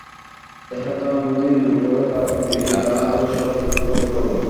দেহাত্মবুদ্ধি দূর করে দাও দেখি, তা হলেই সব দুঃখ দূর হবে।